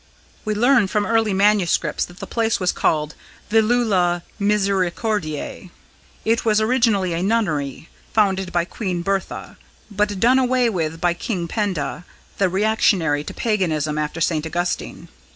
We learn from early manuscripts that the place was called Vilula Misericordiae. It was originally a nunnery, founded by Queen Bertha, but done away with by King Penda, the reactionary to Paganism after St. Augustine.